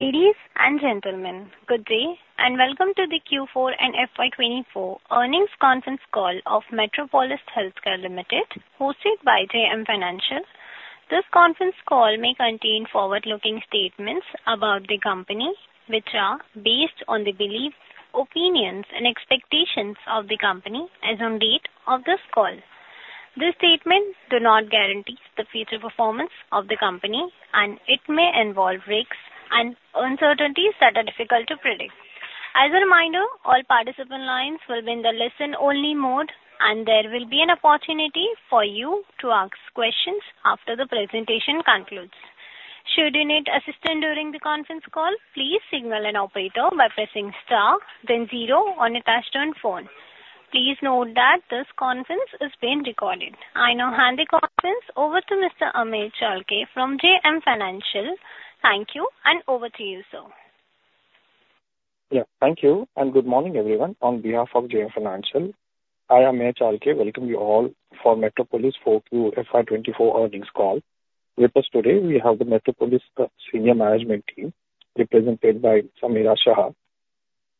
Ladies and gentlemen, good day, and welcome to the Q4 and FY 2024 earnings conference call of Metropolis Healthcare Limited, hosted by JM Financial. This conference call may contain forward-looking statements about the company, which are based on the beliefs, opinions, and expectations of the company as on date of this call. These statements do not guarantee the future performance of the company, and it may involve risks and uncertainties that are difficult to predict. As a reminder, all participant lines will be in the listen-only mode, and there will be an opportunity for you to ask questions after the presentation concludes. Should you need assistance during the conference call, please signal an operator by pressing star then zero on your touchtone phone. Please note that this conference is being recorded. I now hand the conference over to Mr. Amey Chalke from JM Financial. Thank you, and over to you, sir. Yeah, thank you, and good morning, everyone. On behalf of JM Financial, I am Amey Chalke. Welcome you all for Metropolis for Q4 FY 2024 earnings call. With us today, we have the Metropolis senior management team, represented by Ameera Shah,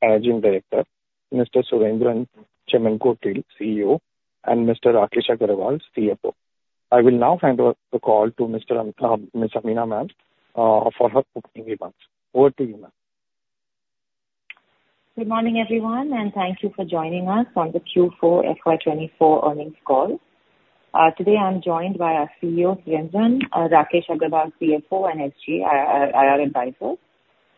Managing Director, Mr. Surendran Chemmenkotil, CEO, and Mr. Rakesh Agarwal, CFO. I will now hand over the call to Mr. Am- Ms. Ameera Ma'am, for her opening remarks. Over to you, ma'am. Good morning, everyone, and thank you for joining us on the Q4 FY 2024 earnings call. Today I'm joined by our CEO, Surendran, Rakesh Agarwal, CFO, and SGA, our IR advisor.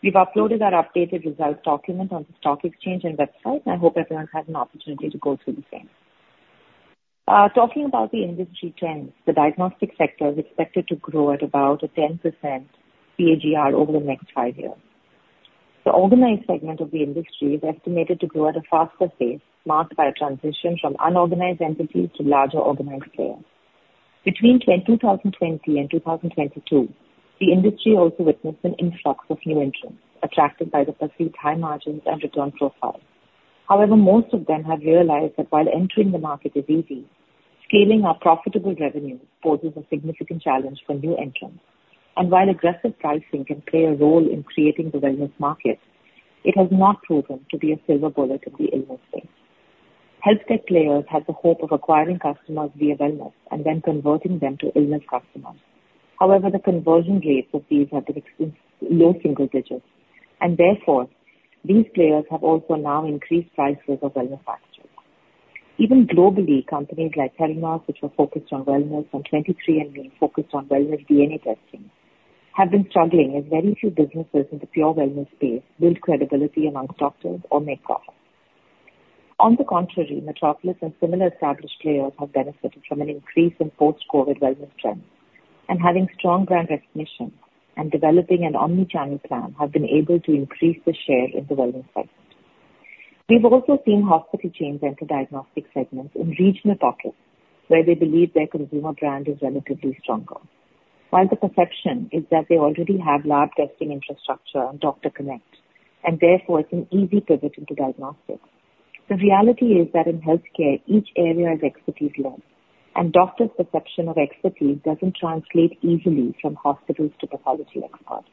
We've uploaded our updated result document on the stock exchange and website. I hope everyone has an opportunity to go through the same. Talking about the industry trends, the diagnostic sector is expected to grow at about a 10% CAGR over the next 5 years. The organized segment of the industry is estimated to grow at a faster pace, marked by a transition from unorganized entities to larger, organized players. Between 2020 and 2022, the industry also witnessed an influx of new entrants, attracted by the perceived high margins and return profile. However, most of them have realized that while entering the market is easy, scaling our profitable revenue poses a significant challenge for new entrants. While aggressive pricing can play a role in creating the wellness market, it has not proven to be a silver bullet in the illness space. Healthcare players had the hope of acquiring customers via wellness and then converting them to illness customers. However, the conversion rates of these have been extremely low single digits, and therefore, these players have also now increased prices of the wellness packages. Even globally, companies like Theranos, which were focused on wellness, and 23andMe, being focused on wellness DNA testing, have been struggling as very few businesses in the pure wellness space build credibility among doctors or make profits. On the contrary, Metropolis and similar established players have benefited from an increase in post-COVID wellness trends. Having strong brand recognition and developing an omni-channel plan, have been able to increase the share in the wellness segment. We've also seen hospital chains enter diagnostic segments in regional pockets, where they believe their consumer brand is relatively stronger. While the perception is that they already have lab testing infrastructure and doctor connect, and therefore it's an easy pivot into diagnostics, the reality is that in healthcare, each area of expertise is learned, and doctors' perception of expertise doesn't translate easily from hospitals to pathology experts.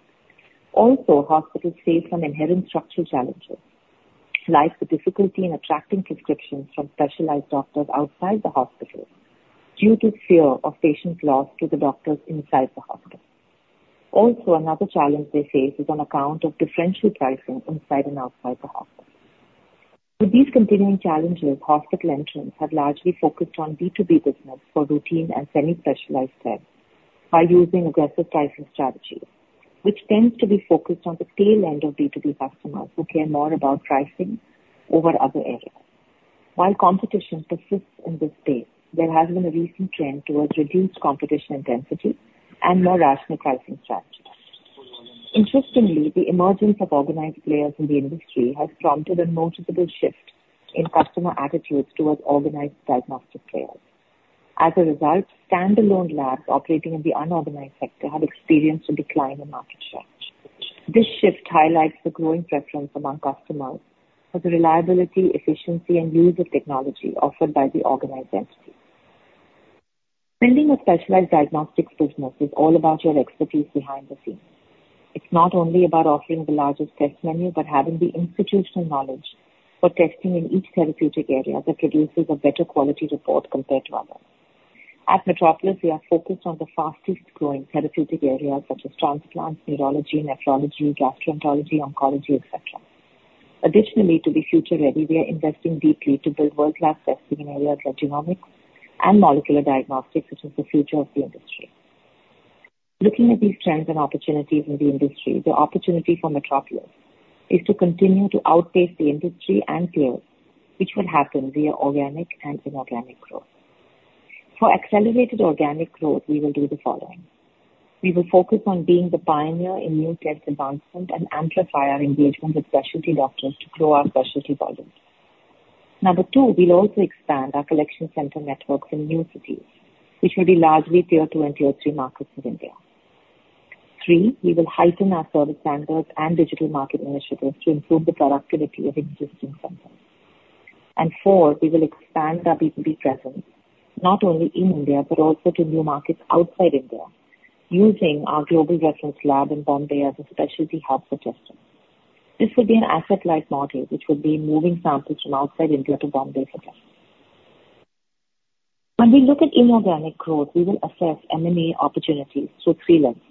Also, hospitals face some inherent structural challenges, like the difficulty in attracting prescriptions from specialized doctors outside the hospital due to fear of patients lost to the doctors inside the hospital. Also, another challenge they face is on account of differential pricing inside and outside the hospital. With these continuing challenges, hospital entrants have largely focused on B2B business for routine and semi-specialized tests by using aggressive pricing strategies, which tends to be focused on the tail end of B2B customers who care more about pricing over other areas. While competition persists in this space, there has been a recent trend towards reduced competition intensity and more rational pricing strategies. Interestingly, the emergence of organized players in the industry has prompted a noticeable shift in customer attitudes towards organized diagnostic players. As a result, standalone labs operating in the unorganized sector have experienced a decline in market share. This shift highlights the growing preference among customers for the reliability, efficiency, and use of technology offered by the organized entities. Building a specialized diagnostics business is all about your expertise behind the scenes. It's not only about offering the largest test menu, but having the institutional knowledge for testing in each therapeutic area that produces a better quality report compared to others. At Metropolis, we are focused on the fastest growing therapeutic areas such as transplants, neurology, nephrology, gastroenterology, oncology, et cetera. Additionally, to be future ready, we are investing deeply to build world-class testing in areas like genomics and molecular diagnostics, which is the future of the industry. Looking at these trends and opportunities in the industry, the opportunity for Metropolis is to continue to outpace the industry and peers, which will happen via organic and inorganic growth. For accelerated organic growth, we will do the following: We will focus on being the pioneer in new test advancement and amplify our engagement with specialty doctors to grow our specialty volumes. Number two, we'll also expand our collection center networks in new cities, which will be largely Tier 2 and Tier 3 markets in India. Three, we will heighten our service standards and digital marketing initiatives to improve the productivity of existing centers, and four, we will expand our B2B presence, not only in India, but also to new markets outside India, using our global reference lab in Mumbai as a specialty testing solution. This would be an asset-light model, which would be moving samples from outside India to Mumbai for testing. When we look at inorganic growth, we will assess M&A opportunities through three lenses.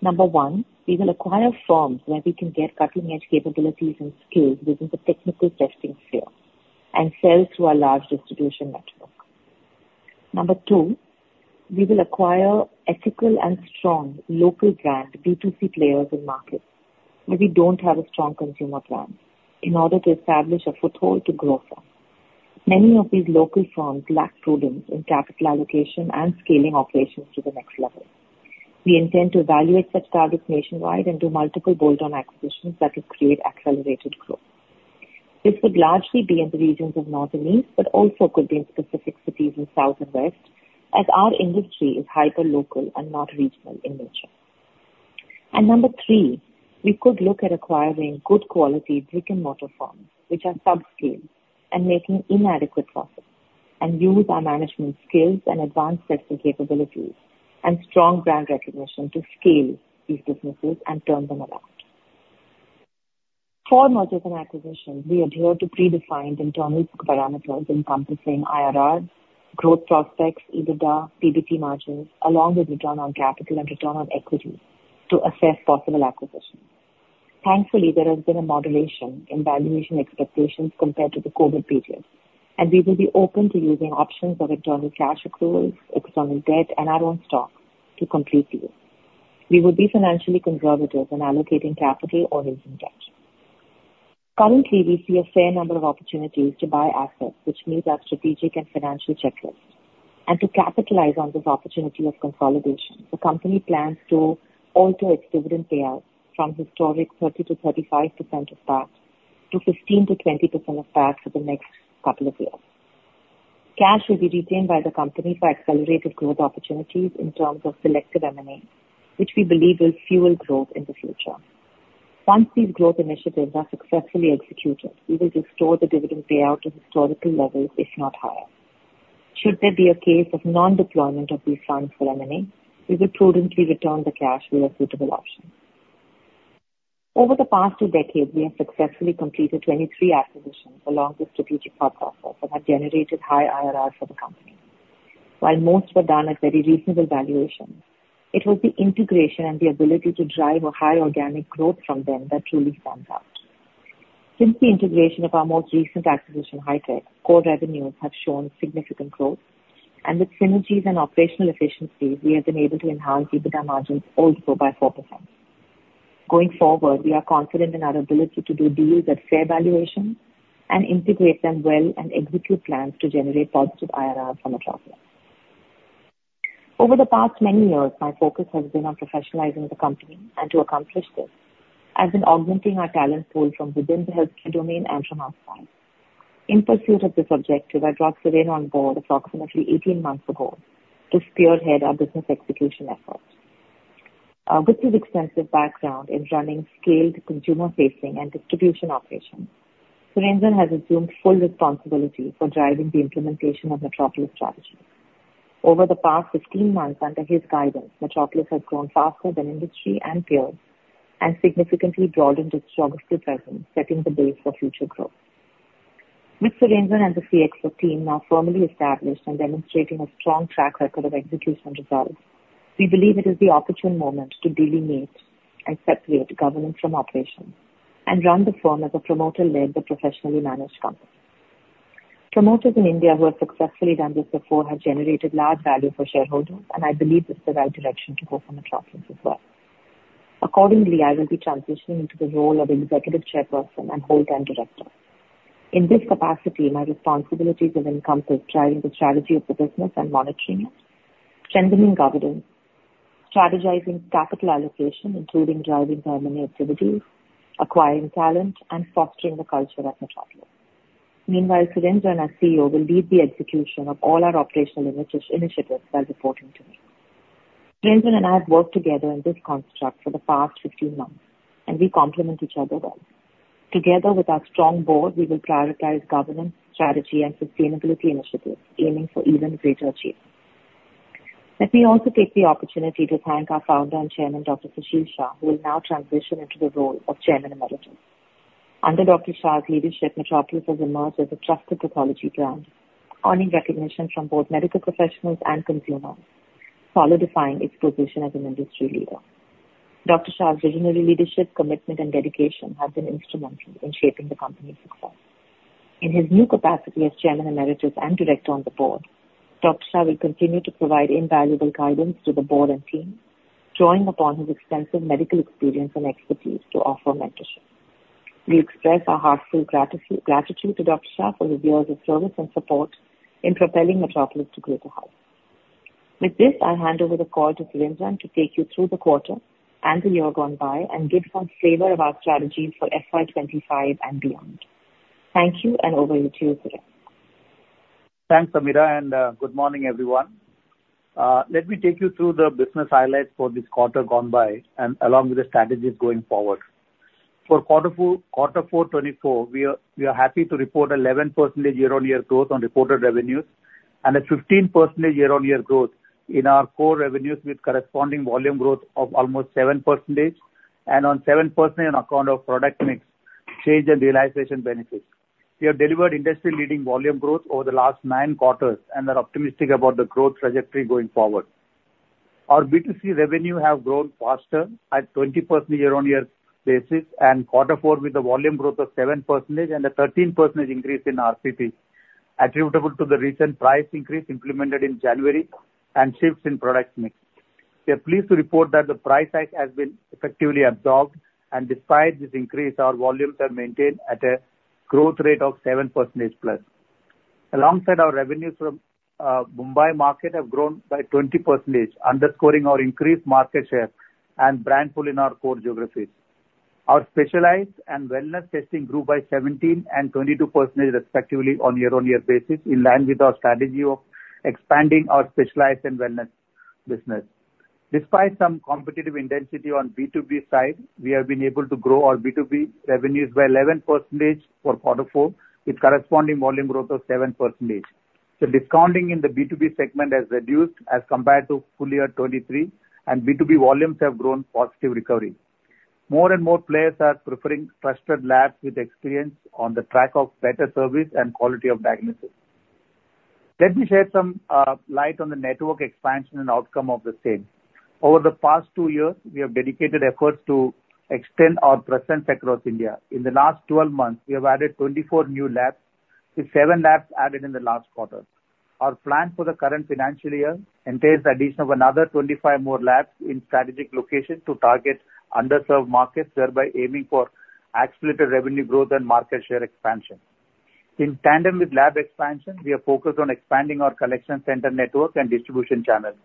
Number one, we will acquire firms where we can get cutting-edge capabilities and skills within the technical testing sphere and sell through our large distribution network. Number two, we will acquire ethical and strong local brand B2C players in markets where we don't have a strong consumer brand, in order to establish a foothold to grow from. Many of these local firms lack prudence in capital allocation and scaling operations to the next level. We intend to evaluate such targets nationwide and do multiple bolt-on acquisitions that will create accelerated growth. This would largely be in the regions of north and east, but also could be in specific cities in south and west, as our industry is hyper local and not regional in nature. And number three, we could look at acquiring good quality brick-and-mortar firms, which are subscale and making inadequate profits, and use our management skills and advanced testing capabilities and strong brand recognition to scale these businesses and turn them around. For mergers and acquisitions, we adhere to predefined internal parameters encompassing IRRs, growth prospects, EBITDA, PBT margins, along with return on capital and return on equity to assess possible acquisitions. Thankfully, there has been a moderation in valuation expectations compared to the COVID period, and we will be open to using options of internal cash accruals, external debt, and our own stock to complete deals. We will be financially conservative when allocating capital or using debt. Currently, we see a fair number of opportunities to buy assets which meet our strategic and financial checklist. To capitalize on this opportunity of consolidation, the company plans to alter its dividend payout from historic 30%-35% of PAT to 15%-20% of PAT for the next couple of years. Cash will be retained by the company for accelerated growth opportunities in terms of selective M&A, which we believe will fuel growth in the future. Once these growth initiatives are successfully executed, we will restore the dividend payout to historical levels, if not higher. Should there be a case of non-deployment of these funds for M&A, we will prudently return the cash with a suitable option. Over the past two decades, we have successfully completed 23 acquisitions along with strategic partners that have generated high IRRs for the company. While most were done at very reasonable valuations, it was the integration and the ability to drive a high organic growth from them that truly stands out. Since the integration of our most recent acquisition, Hitech, core revenues have shown significant growth, and with synergies and operational efficiencies, we have been able to enhance EBITDA margins also by 4%. Going forward, we are confident in our ability to do deals at fair valuations and integrate them well and execute plans to generate positive IRRs for Metropolis. Over the past many years, my focus has been on professionalizing the company, and to accomplish this, I've been augmenting our talent pool from within the healthcare domain and from outside. In pursuit of this objective, I brought Suren on board approximately 18 months ago to spearhead our business execution efforts. With his extensive background in running scaled consumer-facing and distribution operations, Surendran has assumed full responsibility for driving the implementation of Metropolis strategy. Over the past 15 months, under his guidance, Metropolis has grown faster than industry and peers, and significantly broadened its geographical presence, setting the base for future growth. With Surendran and the CXO team now firmly established and demonstrating a strong track record of execution results, we believe it is the opportune moment to delineate and separate governance from operations and run the firm as a promoter-led but professionally managed company. Promoters in India who have successfully done this before have generated large value for shareholders, and I believe it's the right direction to go for Metropolis as well. Accordingly, I will be transitioning into the role of Executive Chairperson and Full-time Director. In this capacity, my responsibilities will encompass driving the strategy of the business and monitoring it, strengthening governance, strategizing capital allocation, including driving harmony activities, acquiring talent, and fostering the culture at Metropolis. Meanwhile, Surendran as CEO will lead the execution of all our operational initiatives while reporting to me. Surendran and I have worked together in this construct for the past 15 months, and we complement each other well. Together with our strong board, we will prioritize governance, strategy, and sustainability initiatives, aiming for even greater achievements. Let me also take the opportunity to thank our founder and chairman, Dr. Sushil Shah, who will now transition into the role of Chairman Emeritus. Under Dr. Shah's leadership, Metropolis has emerged as a trusted pathology brand, earning recognition from both medical professionals and consumers, solidifying its position as an industry leader. Dr. Shah's visionary leadership, commitment, and dedication have been instrumental in shaping the company's success. In his new capacity as chairman emeritus and director on the board, Dr. Shah will continue to provide invaluable guidance to the board and team, drawing upon his extensive medical experience and expertise to offer mentorship. We express our heartfelt gratitude to Dr. Shah for his years of service and support in propelling Metropolis to greater heights. With this, I'll hand over the call to Surendran to take you through the quarter and the year gone by and give some flavor of our strategy for FY 2025 and beyond. Thank you, and over to you, Suren. Thanks, Ameera, and good morning, everyone. Let me take you through the business highlights for this quarter gone by and along with the strategies going forward. For quarter four, quarter four 2024, we are happy to report 11% year-on-year growth on reported revenues and a 15% year-on-year growth in our core revenues, with corresponding volume growth of almost 7% and on 7% on account of product mix change and realization benefits. We have delivered industry-leading volume growth over the last nine quarters and are optimistic about the growth trajectory going forward. Our B2C revenue have grown faster at 20% year-on-year basis in quarter four, with a volume growth of 7% and a 13% increase in RCP, attributable to the recent price increase implemented in January and shifts in product mix. We are pleased to report that the price hike has been effectively absorbed, and despite this increase, our volumes are maintained at a growth rate of +7%. Alongside our revenues from Mumbai market have grown by 20%, underscoring our increased market share and brand pull in our core geographies. Our specialized and wellness testing grew by 17% and 22%, respectively, on year-on-year basis, in line with our strategy of expanding our specialized and wellness business. Despite some competitive intensity on B2B side, we have been able to grow our B2B revenues by 11% for quarter four, with corresponding volume growth of 7%. The discounting in the B2B segment has reduced as compared to full year 2023, and B2B volumes have grown positive recovery. More and more players are preferring trusted labs with experience on the track of better service and quality of diagnosis. Let me share some light on the network expansion and outcome of the same. Over the past 2 years, we have dedicated efforts to extend our presence across India. In the last 12 months, we have added 24 new labs, with 7 labs added in the last quarter. Our plan for the current financial year entails the addition of another 25 more labs in strategic locations to target underserved markets, thereby aiming for accelerated revenue growth and market share expansion. In tandem with lab expansion, we are focused on expanding our collection center network and distribution channels.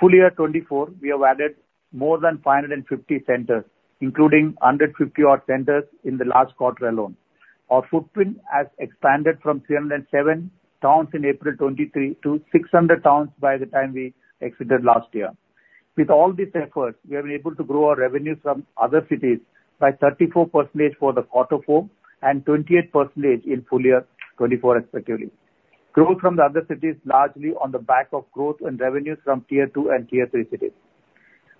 Full year 2024, we have added more than 550 centers, including 150-odd centers in the last quarter alone. Our footprint has expanded from 307 towns in April 2023 to 600 towns by the time we exited last year. With all this effort, we have been able to grow our revenues from other cities by 34% for quarter four and 28% in full year 2024, respectively. Growth from the other cities largely on the back of growth and revenues from Tier 2 and Tier 3 cities.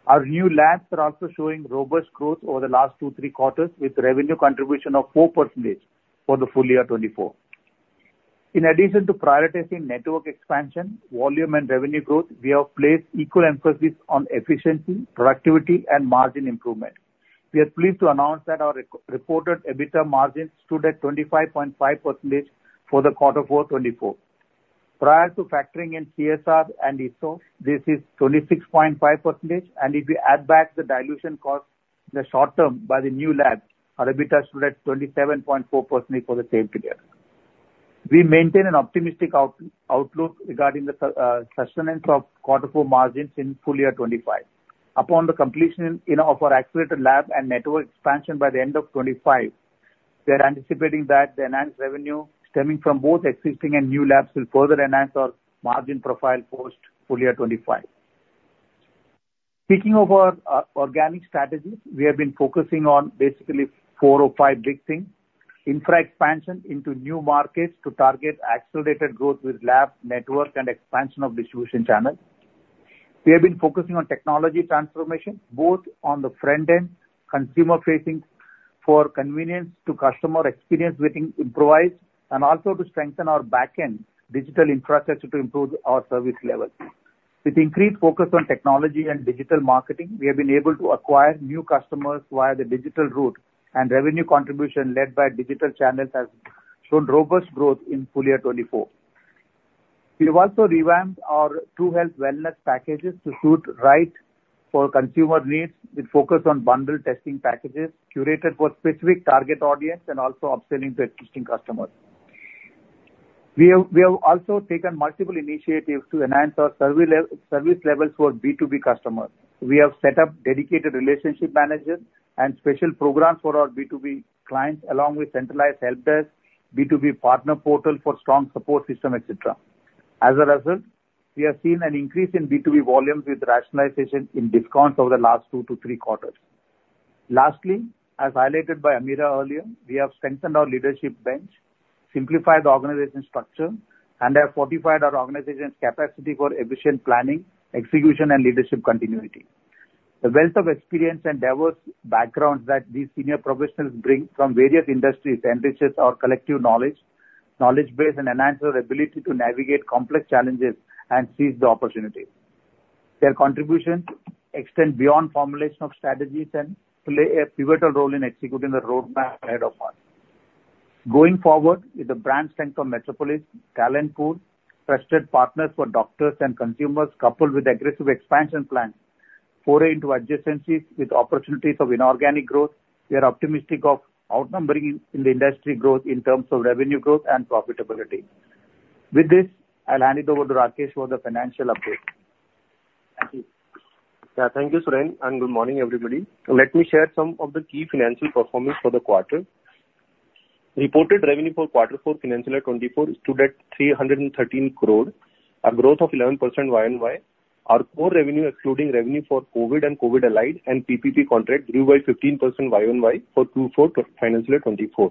Our new labs are also showing robust growth over the last 2, 3 quarters, with revenue contribution of 4% for the full year 2024. In addition to prioritizing network expansion, volume and revenue growth, we have placed equal emphasis on efficiency, productivity, and margin improvement. We are pleased to announce that our reported EBITDA margin stood at 25.5% for quarter four 2024. Prior to factoring in CSR and ISO, this is 26.5%, and if we add back the dilution cost in the short term by the new labs, our EBITDA stood at 27.4% for the same period. We maintain an optimistic outlook regarding the sustenance of quarter four margins in full year 2025. Upon the completion of our accelerated lab and network expansion by the end of 2025, we are anticipating that the enhanced revenue stemming from both existing and new labs will further enhance our margin profile post full year 2025. Speaking of our organic strategies, we have been focusing on basically four or five big things: infra expansion into new markets to target accelerated growth with lab network and expansion of distribution channels. We have been focusing on technology transformation, both on the front end, consumer facing, for convenience to customer experience waiting improved, and also to strengthen our back-end digital infrastructure to improve our service levels. With increased focus on technology and digital marketing, we have been able to acquire new customers via the digital route, and revenue contribution led by digital channels has shown robust growth in full year 2024. We have also revamped our TruHealth wellness packages to suit right for consumer needs, with focus on bundled testing packages, curated for specific target audience and also upselling to existing customers. We have also taken multiple initiatives to enhance our service levels for B2B customers. We have set up dedicated relationship managers and special programs for our B2B clients, along with centralized helpdesk, B2B partner portal for strong support system, et cetera. As a result, we have seen an increase in B2B volumes with rationalization in discounts over the last 2-3 quarters. Lastly, as highlighted by Ameera earlier, we have strengthened our leadership bench, simplified the organization structure, and have fortified our organization's capacity for efficient planning, execution, and leadership continuity. The wealth of experience and diverse backgrounds that these senior professionals bring from various industries enriches our collective knowledge, knowledge base, and enhances our ability to navigate complex challenges and seize the opportunity. Their contributions extend beyond formulation of strategies and play a pivotal role in executing the roadmap ahead of us. Going forward, with the brand strength of Metropolis, talent pool, trusted partners for doctors and consumers, coupled with aggressive expansion plans, foray into adjacencies with opportunities of inorganic growth, we are optimistic of outnumbering in the industry growth in terms of revenue growth and profitability. With this, I'll hand it over to Rakesh for the financial update. Thank you, Suren, and good morning, everybody. Let me share some of the key financial performance for the quarter. Reported revenue for quarter four, financial year 2024, stood at 313 crore, a growth of 11% YoY. Our core revenue, excluding revenue for COVID and COVID-allied and PPP contract, grew by 15% YoY for Q4 financial year 2024.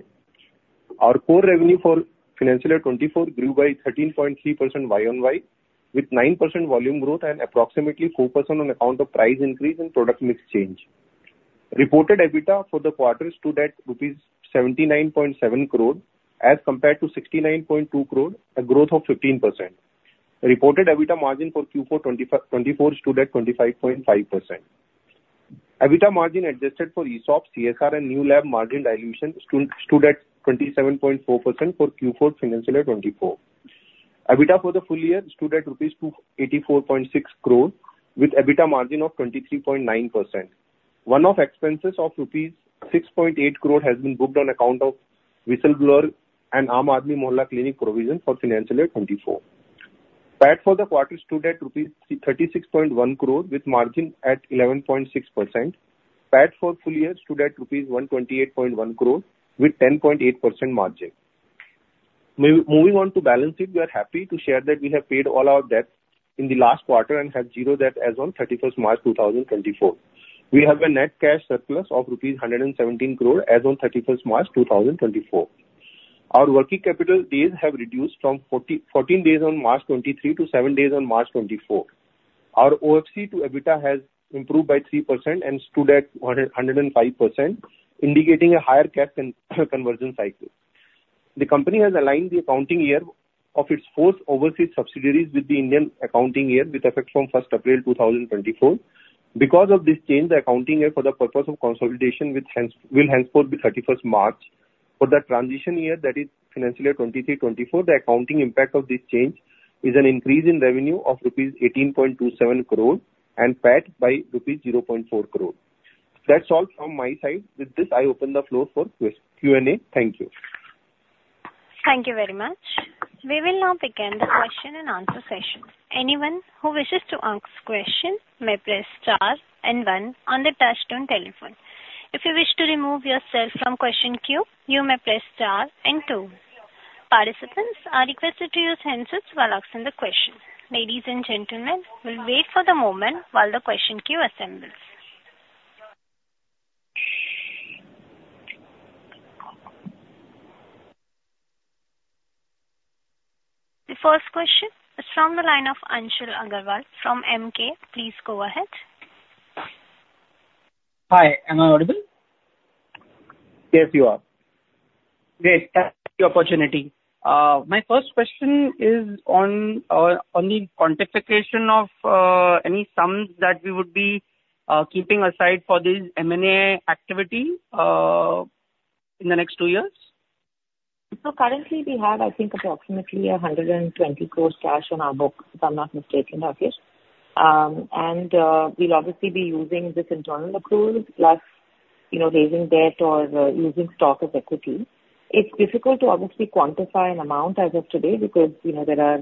Our core revenue for financial year 2024 grew by 13.3% YoY, with 9% volume growth and approximately 4% on account of price increase and product mix change. Reported EBITDA for the quarter stood at rupees 79.7 crore, as compared to 69.2 crore, a growth of 15%. Reported EBITDA margin for Q4 2024 stood at 25.5%. EBITDA margin adjusted for ESOP, CSR and new lab margin dilution stood at 27.4% for Q4, financial year 2024. EBITDA for the full year stood at rupees 284.6 crore, with EBITDA margin of 23.9%. One-off expenses of rupees 6.8 crore has been booked on account of whistleblower and Aam Aadmi Mohalla Clinic provision for financial year 2024. PAT for the quarter stood at rupees 36.1 crore with margin at 11.6%. PAT for full year stood at rupees 128.1 crore with 10.8% margin. Moving on to balance sheet, we are happy to share that we have paid all our debt in the last quarter and have zero debt as on 31st March 2024. We have a net cash surplus of rupees 117 crore as on 31st March 2024. Our working capital days have reduced from 14 days on March 2023 to 7 days on March 2024. Our OCF to EBITDA has improved by 3% and stood at 105%, indicating a higher cash conversion cycle. The company has aligned the accounting year of its fourth overseas subsidiaries with the Indian accounting year, with effect from 1st April 2024. Because of this change, the accounting year for the purpose of consolidation will henceforth be 31st March. For the transition year, that is financial year 2023-2024, the accounting impact of this change is an increase in revenue of rupees 18.27 crore and PAT by rupees 0.4 crore. That's all from my side. With this, I open the floor for Q&A. Thank you. Thank you very much. We will now begin the question and answer session. Anyone who wishes to ask question may press star and one on their touchtone telephone. If you wish to remove yourself from question queue, you may press star and two. Participants are requested to use handsets while asking the question. Ladies and gentlemen, we'll wait for the moment while the question queue assembles. The first question is from the line of Anshul Agrawal from Emkay. Please go ahead. Hi, am I audible? Yes, you are. Great, thanks for the opportunity. My first question is on the quantification of any sums that we would be keeping aside for this M&A activity in the next two years. So currently, we have, I think, approximately 120 crores cash on our books, if I'm not mistaken, Rakesh. And, we'll obviously be using this internal accruals, plus, you know, raising debt or, using stock as equity. It's difficult to obviously quantify an amount as of today, because, you know, there are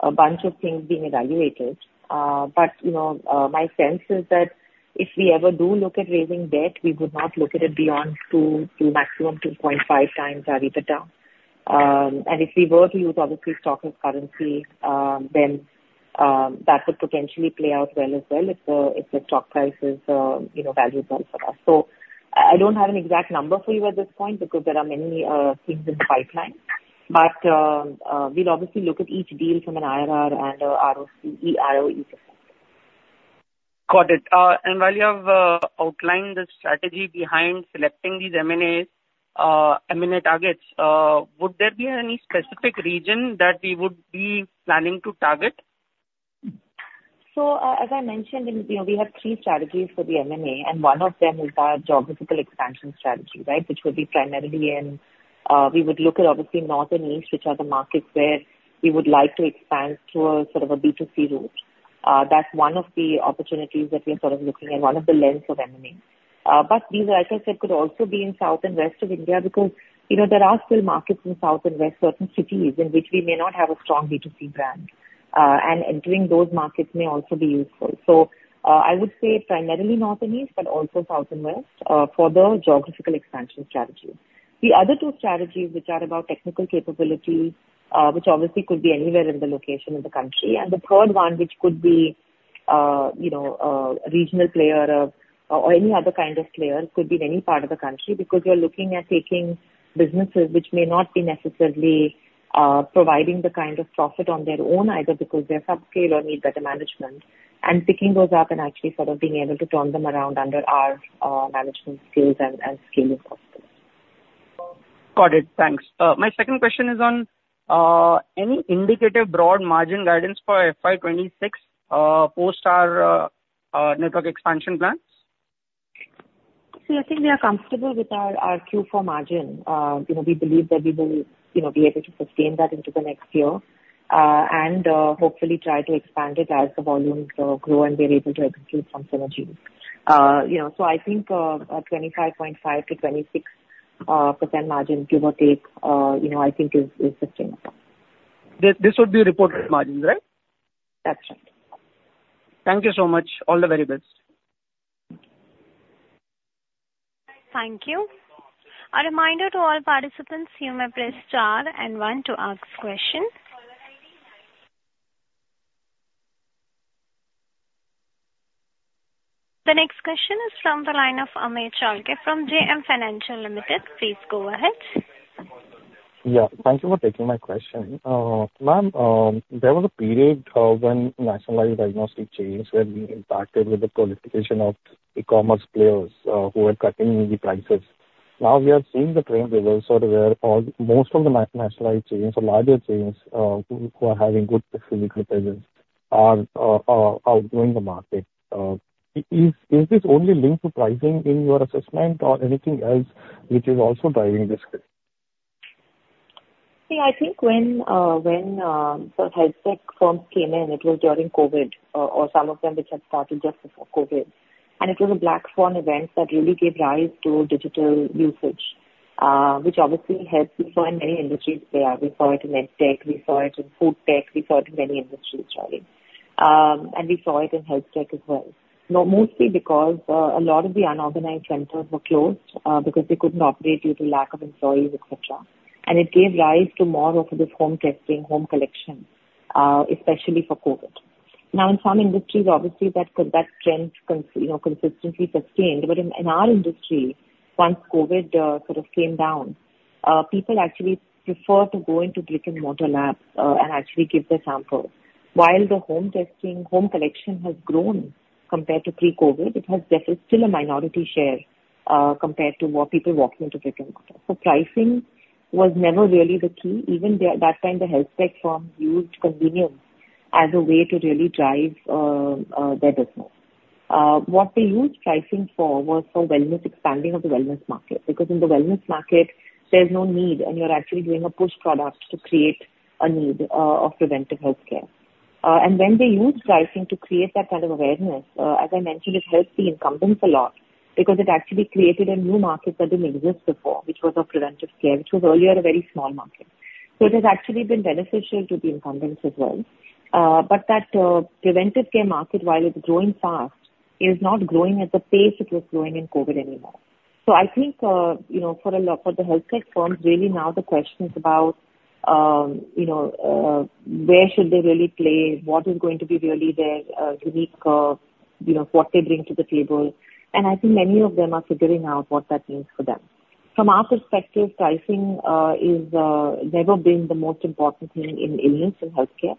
a bunch of things being evaluated. But, you know, my sense is that if we ever do look at raising debt, we would not look at it beyond 2 to maximum 2.5x EBITDA. And if we were to use obviously stock as currency, then, that could potentially play out well as well, if, if the stock price is, you know, valued well for us. I don't have an exact number for you at this point, because there are many things in the pipeline, but we'll obviously look at each deal from an IRR and a ROE perspective. Got it. And while you have outlined the strategy behind selecting these M&A targets, would there be any specific region that we would be planning to target? So, as I mentioned in, you know, we have three strategies for the M&A, and one of them is our geographical expansion strategy, right? Which would be primarily in, we would look at obviously North and East, which are the markets where we would like to expand through a sort of a B2C route. That's one of the opportunities that we're sort of looking at, one of the lens of M&A. But these, as I said, could also be in South and West of India, because, you know, there are still markets in South and West, certain cities in which we may not have a strong B2C brand, and entering those markets may also be useful. So, I would say primarily North and East, but also South and West, for the geographical expansion strategy. The other two strategies, which are about technical capabilities, which obviously could be anywhere in the location of the country. The third one, which could be, you know, regional player or any other kind of player, could be in any part of the country. Because we are looking at taking businesses which may not be necessarily providing the kind of profit on their own, either because they're subscale or need better management, and picking those up and actually sort of being able to turn them around under our management skills and scaling prospects. Got it, thanks. My second question is on any indicative broad margin guidance for FY 2026 post our network expansion plans? So I think we are comfortable with our Q4 margin. You know, we believe that we will, you know, be able to sustain that into the next year, and hopefully try to expand it as the volumes grow and we're able to execute some synergies. You know, so I think, 25.5%-26% margin, give or take, you know, I think is sustainable. This, this would be reported margins, right? Actual. Thank you so much. All the very best. Thank you. A reminder to all participants, you may press star and one to ask questions. The next question is from the line of Amey Chalke from JM Financial Limited. Please go ahead. Yeah. Thank you for taking my question. Ma'am, there was a period when nationalized diagnostic chains were being impacted with the politicization of e-commerce players who were cutting into the prices. Now we are seeing the trend reverse, so where most of the nationalized chains or larger chains who are having good physical presence are outgrowing the market. Is this only linked to pricing in your assessment or anything else which is also driving this shift? Yeah, I think when the health tech firms came in, it was during COVID, or some of them which had started just before COVID, and it was a black swan event that really gave rise to digital usage, which obviously helped people in many industries there. We saw it in med tech, we saw it in food tech, we saw it in many industries, actually. And we saw it in health tech as well. Now, mostly because a lot of the unorganized centers were closed, because they could not operate due to lack of employees, et cetera. And it gave rise to more of this home testing, home collection, especially for COVID. Now, in some industries, obviously, that that trend con- you know, consistently sustained. But in our industry, once COVID sort of came down, people actually prefer to go into brick-and-mortar labs and actually give the sample. While the home testing, home collection has grown compared to pre-COVID, it has, there is still a minority share compared to more people walking into brick-and-mortar. So pricing was never really the key. Even the, at that time, the health tech firms used convenience as a way to really drive their business. What they used pricing for was for wellness expanding of the wellness market. Because in the wellness market, there's no need, and you're actually doing a push product to create a need of preventive healthcare. And when they used pricing to create that kind of awareness, as I mentioned, it helped the incumbents a lot because it actually created a new market that didn't exist before, which was of preventive care, which was earlier a very small market. So it has actually been beneficial to the incumbents as well. But that preventive care market, while it's growing fast, is not growing at the pace it was growing in COVID anymore. So I think, you know, for a lot, for the health tech firms, really now the question is about, you know, where should they really play? What is going to be really their unique, you know, what they bring to the table? And I think many of them are figuring out what that means for them. From our perspective, pricing is never been the most important thing in illness and healthcare.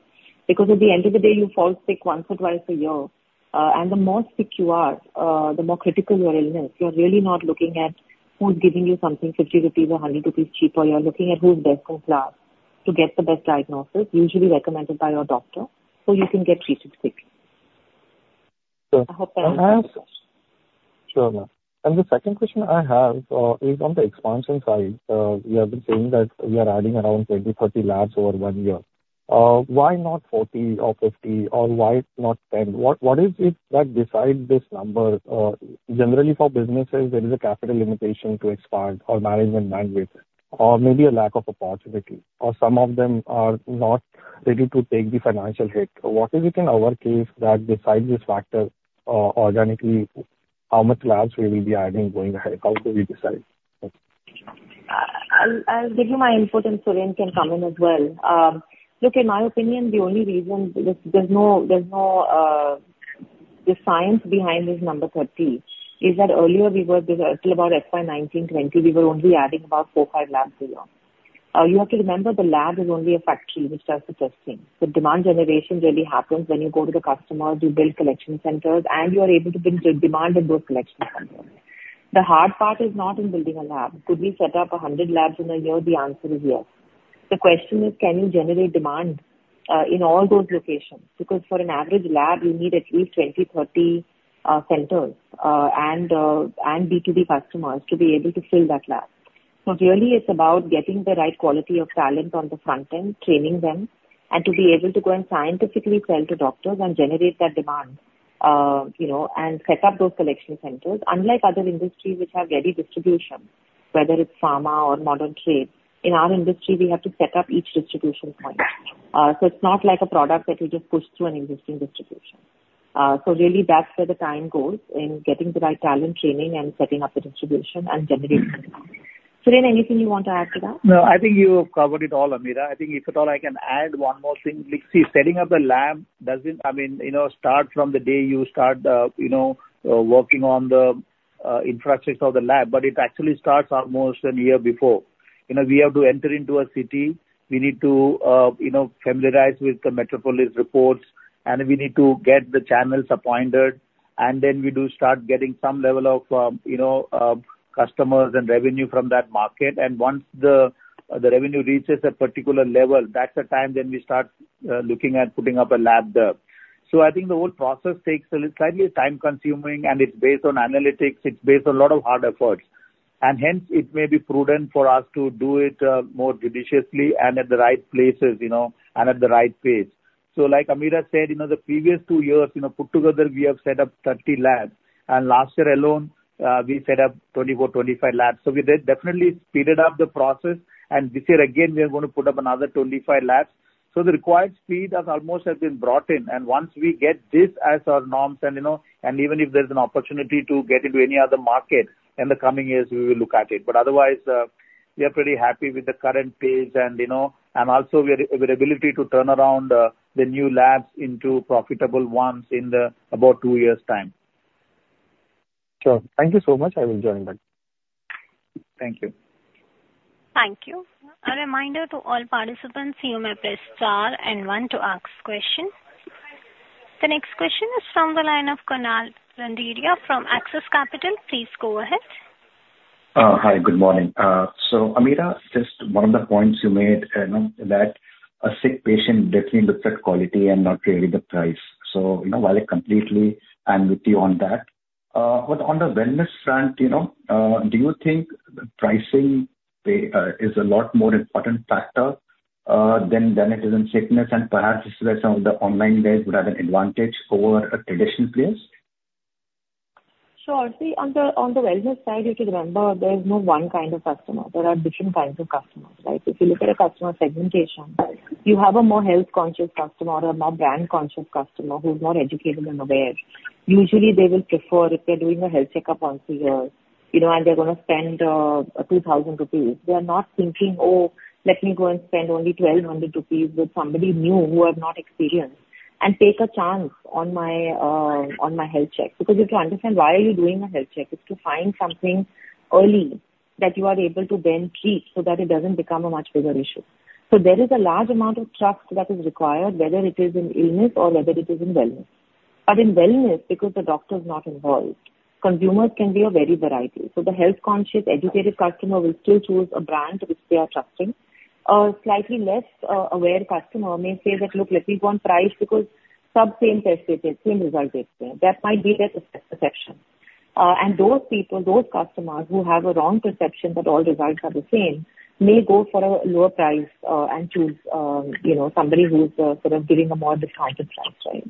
Because at the end of the day, you fall sick once or twice a year. And the more sick you are, the more critical your illness, you're really not looking at who's giving you something 50 rupees or 100 rupees cheaper. You're looking at who's best in class to get the best diagnosis, usually recommended by your doctor, so you can get treated quickly. I hope I answered your question. Sure, ma'am. The second question I have is on the expansion side. You have been saying that we are adding around 20, 30 labs over one year. Why not 40 or 50, or why not 10? What, what is it that decides this number? Generally, for businesses, there is a capital limitation to expand or management bandwidth, or maybe a lack of opportunity, or some of them are not ready to take the financial hit. What is it in our case that decides this factor, organically, how much labs we will be adding going ahead? How do we decide? I'll give you my input, and Suren can come in as well. Look, in my opinion, the only reason there's no... The science behind this number, 20, is that earlier we were till about FY 2019-2020, we were only adding about four to five labs a year. You have to remember, the lab is only a factory which does the testing. The demand generation really happens when you go to the customers, you build collection centers, and you are able to build the demand in those collection centers. The hard part is not in building a lab. Could we set up 100 labs in a year? The answer is yes. The question is: Can you generate demand in all those locations? Because for an average lab, you need at least 20-30 centers and B2B customers to be able to fill that lab. So really it's about getting the right quality of talent on the front end, training them, and to be able to go and scientifically sell to doctors and generate that demand, you know, and set up those collection centers. Unlike other industries which have ready distribution, whether it's pharma or modern trade, in our industry, we have to set up each distribution point. So it's not like a product that you just push through an existing distribution. So really that's where the time goes, in getting the right talent, training, and setting up the distribution and generating demand. Suren, anything you want to add to that? No, I think you covered it all, Ameera. I think if at all, I can add one more thing. Look, see, setting up the lab doesn't... I mean, you know, start from the day you start working on the infrastructure of the lab, but it actually starts out more than a year before. You know, we have to enter into a city. We need to familiarize with the Metropolis reports, and we need to get the channels appointed, and then we do start getting some level of customers and revenue from that market. And once the revenue reaches a particular level, that's the time when we start looking at putting up a lab there. So I think the whole process takes a slightly time-consuming, and it's based on analytics. It's based on a lot of hard efforts, and hence, it may be prudent for us to do it more judiciously and at the right places, you know, and at the right pace.... So like Ameera said, you know, the previous two years, you know, put together, we have set up 30 labs. And last year alone, we set up 24, 25 labs. So we did definitely speeded up the process, and this year again, we are going to put up another 25 labs. So the required speed has almost has been brought in, and once we get this as our norms and, you know, and even if there's an opportunity to get into any other market in the coming years, we will look at it. But otherwise, we are pretty happy with the current pace and, you know, and also our ability to turn around the new labs into profitable ones in about two years' time. Sure. Thank you so much. I will join back. Thank you. Thank you. A reminder to all participants, you may press star and one to ask question. The next question is from the line of Kunal Randeria from Axis Capital. Please go ahead. Hi, good morning. So, Ameera, just one of the points you made, you know, that a sick patient definitely looks at quality and not really the price. So, you know, while I completely, I'm with you on that. But on the wellness front, you know, do you think the pricing is a lot more important factor than it is in sickness, and perhaps it's where some of the online guys would have an advantage over traditional players? Sure. See, on the, on the wellness side, you should remember there is no one kind of customer. There are different kinds of customers, right? If you look at a customer segmentation, you have a more health-conscious customer or a more brand-conscious customer who is more educated and aware. Usually, they will prefer if they're doing a health checkup once a year, you know, and they're gonna spend 2,000 rupees, they are not thinking, "Oh, let me go and spend only 1,200 rupees with somebody new who have not experienced, and take a chance on my health check." Because you have to understand, why are you doing a health check? It's to find something early that you are able to then treat so that it doesn't become a much bigger issue. So there is a large amount of trust that is required, whether it is in illness or whether it is in wellness. But in wellness, because the doctor is not involved, consumers can be a varied variety. So the health-conscious, educated customer will still choose a brand which they are trusting. A slightly less aware customer may say that, "Look, let me go on price." That might be their perception. And those people, those customers who have a wrong perception that all results are the same, may go for a lower price, and choose somebody who's sort of giving a more discounted price,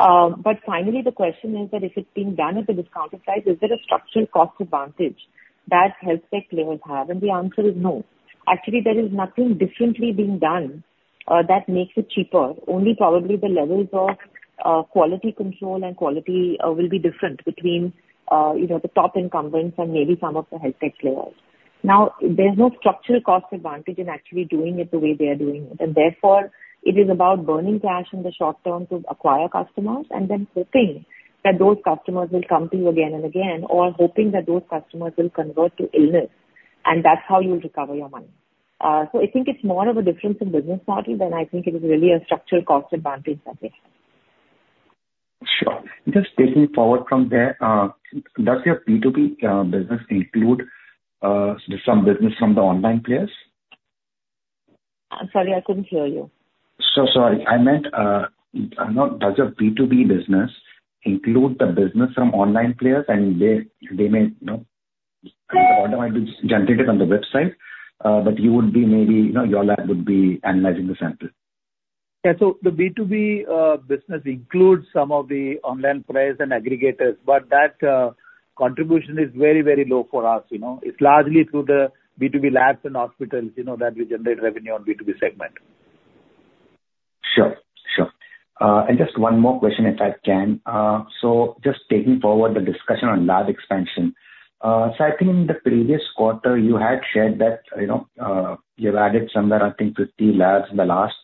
right? But finally, the question is that if it's being done at a discounted price, is there a structural cost advantage that health tech players have? And the answer is no. Actually, there is nothing differently being done that makes it cheaper. Only probably the levels of quality control and quality will be different between you know, the top incumbents and maybe some of the health tech players. Now, there's no structural cost advantage in actually doing it the way they are doing it, and therefore, it is about burning cash in the short term to acquire customers and then hoping that those customers will come to you again and again, or hoping that those customers will convert to illness, and that's how you'll recover your money. So I think it's more of a difference in business model than I think it is really a structural cost advantage that they have. Sure. Just taking forward from there, does your B2B business include some business from the online players? I'm sorry, I couldn't hear you. So sorry. I meant, you know, does your B2B business include the business from online players? And they, they may, you know, generated on the website, but you would be maybe, you know, your lab would be analyzing the sample. Yeah. So the B2B business includes some of the online players and aggregators, but that contribution is very, very low for us, you know. It's largely through the B2B labs and hospitals, you know, that we generate revenue on B2B segment. Sure, sure. And just one more question, if I can. So just taking forward the discussion on lab expansion. So I think in the previous quarter, you had shared that, you know, you've added somewhere, I think, 50 labs in the last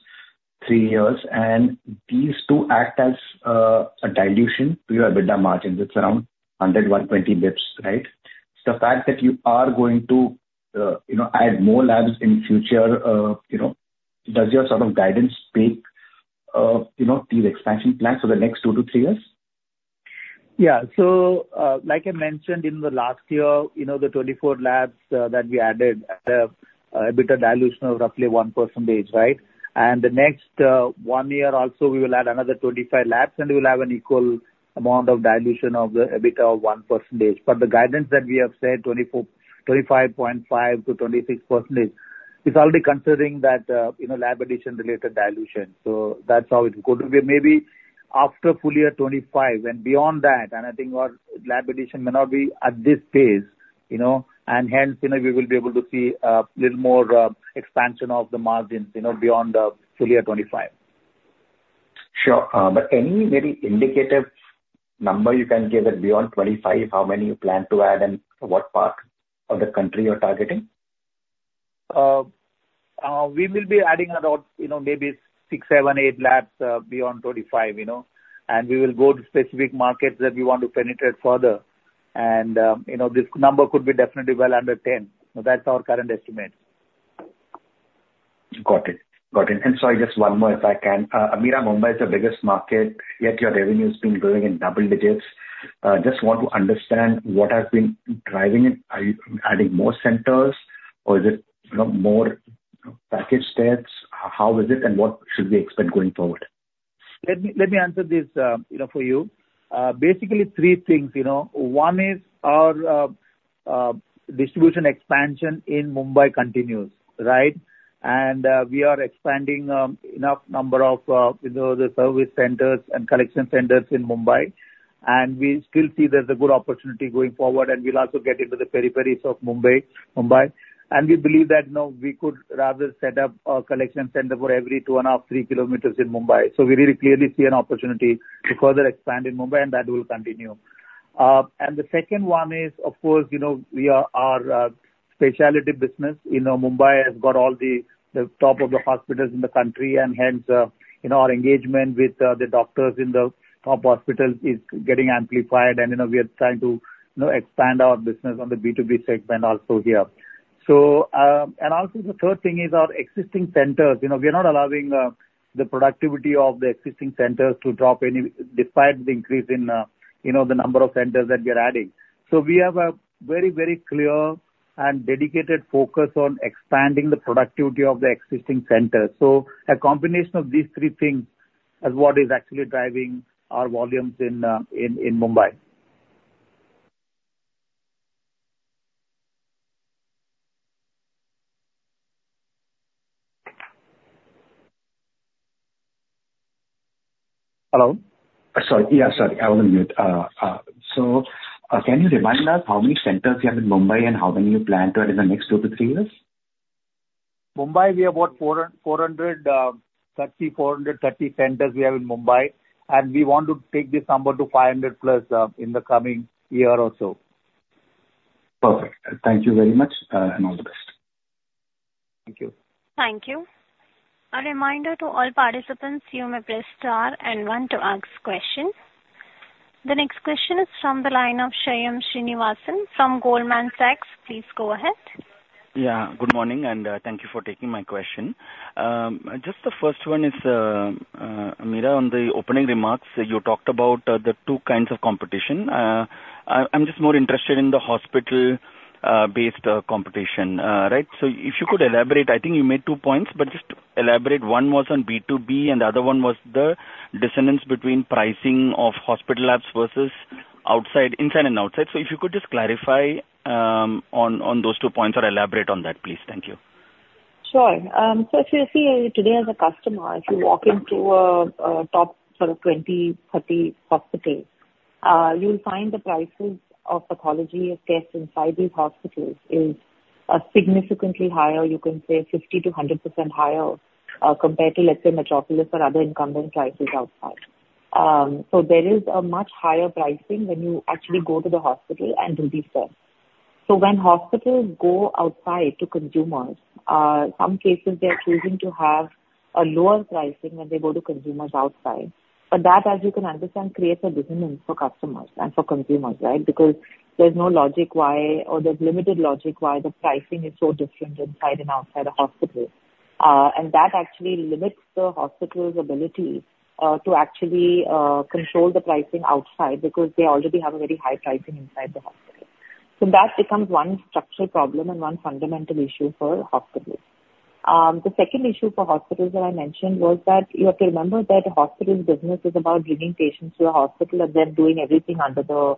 3 years, and these too act as a dilution to your EBITDA margins. It's around 100-120 basis points, right? So the fact that you are going to, you know, add more labs in future, you know, does your sort of guidance take these expansion plans for the next 2-3 years? Yeah. So, like I mentioned in the last year, you know, the 24 labs that we added at a EBITDA dilution of roughly 1%, right? And the next one year also, we will add another 25 labs, and we will have an equal amount of dilution of the EBITDA of 1%. But the guidance that we have said, 24- 25.5-26%, is already considering that, you know, lab addition related dilution. So that's how it's going to be. Maybe after full year 2025 and beyond that, and I think our lab addition may not be at this pace, you know, and hence, you know, we will be able to see little more expansion of the margins, you know, beyond the full year 2025. Sure. But any maybe indicative number you can give at beyond 2025, how many you plan to add, and what part of the country you're targeting? We will be adding around, you know, maybe 6, 7, 8 labs beyond 2025, you know, and we will go to specific markets that we want to penetrate further. And, you know, this number could be definitely well under 10. So that's our current estimate. Got it. Got it. And sorry, just one more, if I can. Ameera, Mumbai is the biggest market, yet your revenue has been growing in double digits. Just want to understand what has been driving it. Are you adding more centers or is it, you know, more package stats? How is it and what should we expect going forward? Let me, let me answer this, you know, for you. Basically three things, you know. One is our distribution expansion in Mumbai continues, right? And we are expanding enough number of, you know, the service centers and collection centers in Mumbai, and we still see there's a good opportunity going forward, and we'll also get into the peripheries of Mumbai, Mumbai. And we believe that, you know, we could rather set up a collection center for every 2.5-3 km in Mumbai. So we really clearly see an opportunity to further expand in Mumbai, and that will continue. And the second one is, of course, you know, we are—our specialty business. You know, Mumbai has got all the top hospitals in the country, and hence, you know, our engagement with the doctors in the top hospitals is getting amplified. And, you know, we are trying to, you know, expand our business on the B2B segment also here. So, and also the third thing is our existing centers. You know, we are not allowing the productivity of the existing centers to drop any, despite the increase in, you know, the number of centers that we are adding. So we have a very, very clear and dedicated focus on expanding the productivity of the existing centers. So a combination of these three things is what is actually driving our volumes in Mumbai. Hello? Sorry. Yeah, sorry, I was on mute. So, can you remind us how many centers you have in Mumbai, and how many you plan to add in the next 2-3 years? Mumbai, we have about 400- 30- 430 centers we have in Mumbai, and we want to take this number to 500+, in the coming year or so. Perfect. Thank you very much, and all the best. Thank you. Thank you. A reminder to all participants, you may press star and one to ask questions. The next question is from the line of Shyam Srinivasan from Goldman Sachs. Please go ahead. Yeah, good morning, and thank you for taking my question. Just the first one is, Ameera, on the opening remarks, you talked about the two kinds of competition. I'm just more interested in the hospital-based competition, right? So if you could elaborate, I think you made two points, but just elaborate. One was on B2B, and the other one was the dissonance between pricing of hospital labs versus outside, inside and outside. So if you could just clarify on those two points or elaborate on that, please. Thank you. Sure. So if you see today as a customer, if you walk into a top sort of 20, 30 hospital, you'll find the prices of pathology tests inside these hospitals is significantly higher. You can say 50%-100% higher, compared to, let's say, Metropolis or other incumbent prices outside. So there is a much higher pricing when you actually go to the hospital and do these tests. So when hospitals go outside to consumers, some cases they are choosing to have a lower pricing when they go to consumers outside. But that, as you can understand, creates a dissonance for customers and for consumers, right? Because there's no logic why or there's limited logic why the pricing is so different inside and outside the hospital. And that actually limits the hospital's ability to actually control the pricing outside, because they already have a very high pricing inside the hospital. So that becomes one structural problem and one fundamental issue for hospitals. The second issue for hospitals that I mentioned was that you have to remember that hospitals' business is about bringing patients to the hospital and then doing everything under the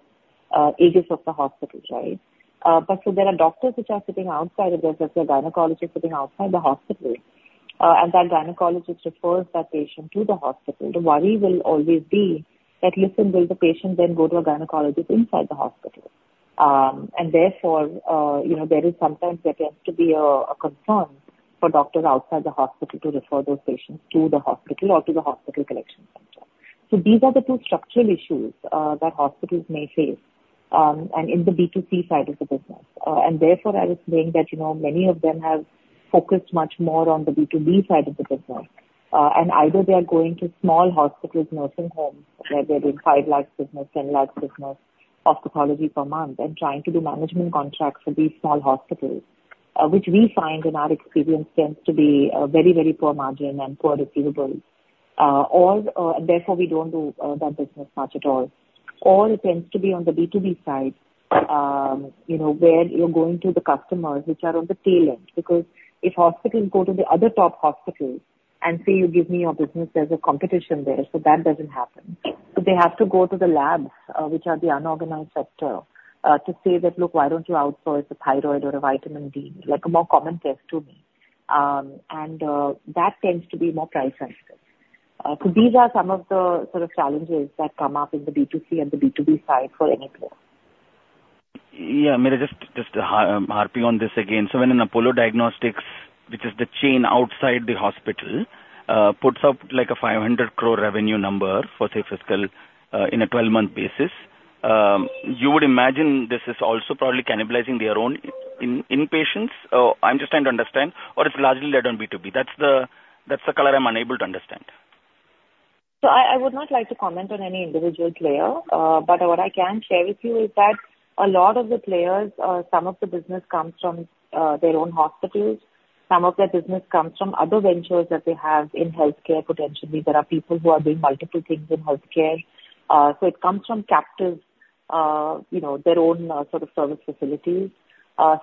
aegis of the hospital, right? But so there are doctors which are sitting outside of this. If a gynecologist sitting outside the hospital and that gynecologist refers that patient to the hospital, the worry will always be that, listen, will the patient then go to a gynecologist inside the hospital? And therefore, you know, there is sometimes there tends to be a, a concern for doctors outside the hospital to refer those patients to the hospital or to the hospital collection center. So these are the two structural issues that hospitals may face, and in the B2C side of the business. And therefore, I was saying that, you know, many of them have focused much more on the B2B side of the business. And either they are going to small hospitals, nursing homes, where they're doing 5 lakh business, 10 lakh business of pathology per month and trying to do management contracts for these small hospitals, which we find in our experience tends to be a very, very poor margin and poor receivables. Therefore, we don't do that business much at all, or it tends to be on the B2B side, you know, where you're going to the customers, which are on the tail end. Because if hospitals go to the other top hospitals and say: "You give me your business," there's a competition there, so that doesn't happen. So they have to go to the labs, which are the unorganized sector, to say that, "Look, why don't you outsource a thyroid or a vitamin D, like a more common test to me?" And that tends to be more price sensitive. So these are some of the sort of challenges that come up in the B2C and the B2B side for any player. Yeah, Ameera, just harping on this again. So when Apollo Diagnostics, which is the chain outside the hospital, puts up, like, an 500 crore revenue number for, say, fiscal in a 12-month basis, you would imagine this is also probably cannibalizing their own in-patients? I'm just trying to understand, or it's largely led on B2B. That's the color I'm unable to understand. So I, I would not like to comment on any individual player, but what I can share with you is that a lot of the players, some of the business comes from their own hospitals. Some of their business comes from other ventures that they have in healthcare. Potentially, there are people who are doing multiple things in healthcare. So it comes from you know, their own, sort of service facilities.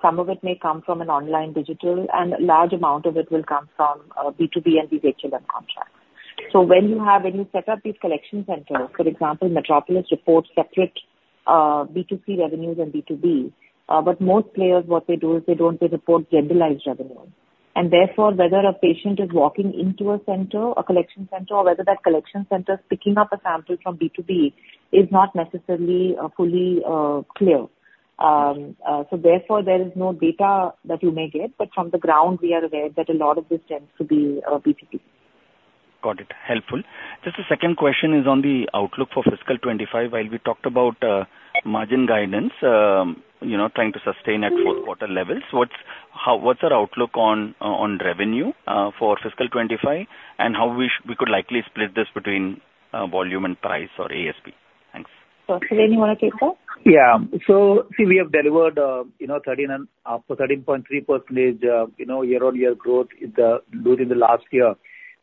Some of it may come from an online digital, and a large amount of it will come from B2B and HLM contracts. So when you set up these collection centers, for example, Metropolis reports separate B2C revenues and B2B. But most players, what they do is they report generalized revenue. Therefore, whether a patient is walking into a center, a collection center, or whether that collection center is picking up a sample from B2B, is not necessarily, fully, clear. Therefore, there is no data that you may get, but from the ground, we are aware that a lot of this tends to be, B2B. Got it. Helpful. Just the second question is on the outlook for fiscal 2025. While we talked about margin guidance, you know, trying to sustain at fourth quarter levels, what's our outlook on revenue for fiscal 2025? And how we could likely split this between volume and price or ASP? Thanks. So, Suren, you want to take that? Yeah. See, we have delivered, you know, 13.3% year-on-year growth during the last year.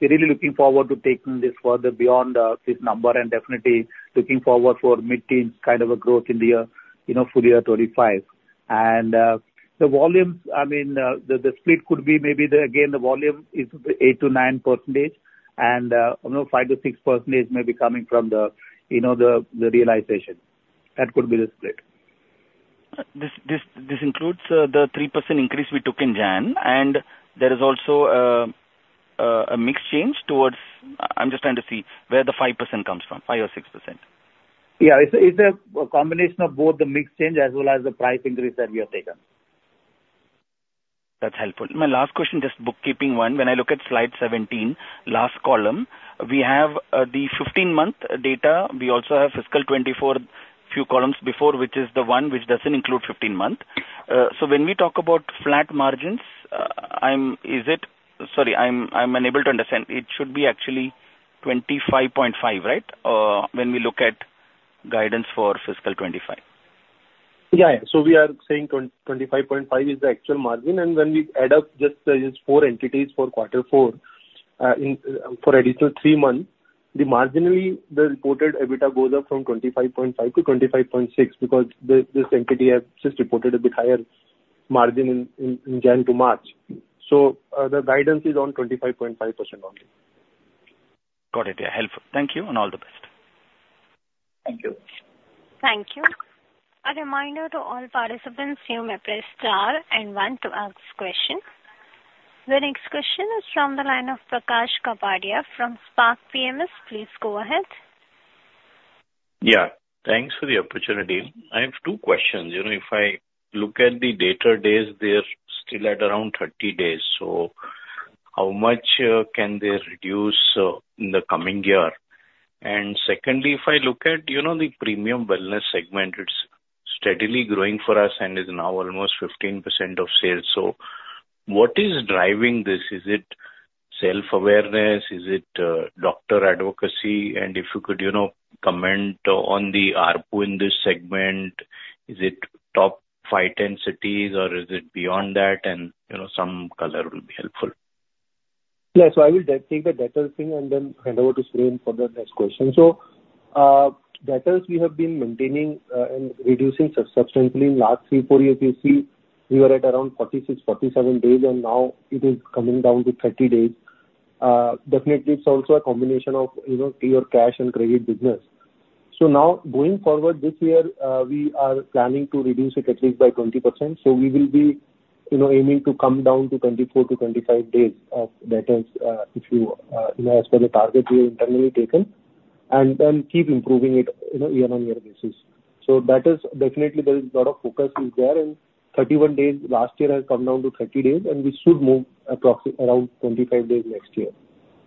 We're really looking forward to taking this further beyond this number, and definitely looking forward for mid-teen kind of a growth in the year, you know, full year 2025. The volumes, I mean, the split could be maybe the, again, the volume is 8%-9%, and, you know, 5%-6% may be coming from the, you know, the realization. That could be the split. This includes the 3% increase we took in January, and there is also a mix change towards... I'm just trying to see where the 5% comes from, 5% or 6%. Yeah, it's a, it's a combination of both the mix change as well as the price increase that we have taken. That's helpful. My last question, just bookkeeping one. When I look at slide 17, last column, we have the 15-month data. We also have fiscal 2024, few columns before, which is the one which doesn't include 15-month. So when we talk about flat margins, I'm unable to understand. It should be actually 25.5, right? When we look at guidance for fiscal 2025. Yeah. So we are saying 25.5 is the actual margin, and when we add up just these four entities for quarter four, for additional three months, the margin will be, the reported EBITDA goes up from 25.5 to 25.6, because this, this entity has just reported a bit higher margin in January to March. So, the guidance is on 25.5% only. Got it. Yeah, helpful. Thank you, and all the best. Thank you. Thank you. A reminder to all participants, you may press star and one to ask questions. The next question is from the line of Prakash Kapadia from Spark PMS. Please go ahead. Yeah, thanks for the opportunity. I have two questions. You know, if I look at the debtor days, they are still at around 30 days, so how much can they reduce in the coming year? And secondly, if I look at, you know, the premium wellness segment, it's steadily growing for us and is now almost 15% of sales. So what is driving this? Is it self-awareness? Is it doctor advocacy? And if you could, you know, comment on the ARPU in this segment, is it top five, 10 cities, or is it beyond that? And, you know, some color will be helpful. Yeah. So I will take the debtors thing and then hand over to Suren for the next question. So, debtors, we have been maintaining and reducing substantially in last three, four years. If you see, we were at around 46, 47 days, and now it is coming down to 30 days. Definitely, it's also a combination of, you know, your cash and credit business. So now, going forward this year, we are planning to reduce it at least by 20%. So we will be, you know, aiming to come down to 24-25 days of debtors, if you, you know, as per the target we internally taken, and then keep improving it, you know, year-on-year basis. So that is definitely there is a lot of focus is there, and 31 days last year has come down to 30 days, and we should move around 25 days next year.